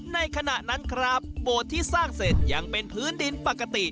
ในขณะนั้นครับโบสถ์ที่สร้างเสร็จยังเป็นพื้นดินปกติ